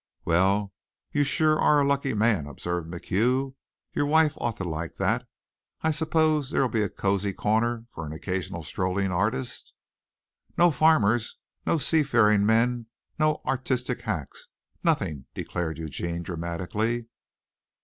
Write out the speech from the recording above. "Well, you sure are a lucky man," observed MacHugh. "Your wife ought to like that. I suppose there'll be a cozy corner for an occasional strolling artist?" "No farmers, no sea faring men, no artistic hacks nothing!" declared Eugene dramatically.